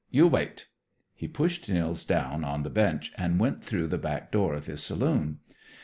You wait!" He pushed Nils down on the bench, and went through the back door of his saloon.